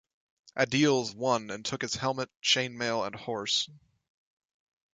Adils won and took his helmet, chainmail and horse.